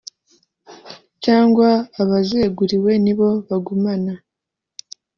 cyangwa abazeguriwe ni bo bagumana